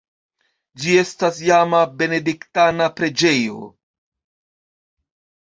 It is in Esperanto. Ĝi estas iama benediktana preĝejo.